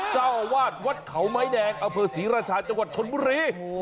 เจ้าอาวาสวัดเขาไม้แดงอเภอศรีราชาจังหวัดชนบุรี